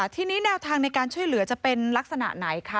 ทีนี้แนวทางในการช่วยเหลือจะเป็นลักษณะไหนคะ